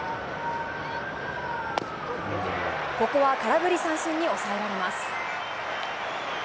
ここは空振り三振に抑えられます。